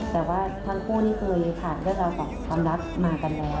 แต่ว่าทั้งคู่นี้เคยผ่านเรื่องราวของความรักมากันแล้ว